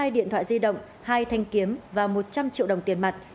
một mươi hai điện thoại di động hai thanh kiếm và một trăm linh triệu đồng tiền mặt